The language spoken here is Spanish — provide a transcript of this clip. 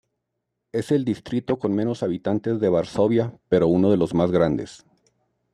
Es el distrito con menos habitantes de Varsovia pero uno de los más grandes.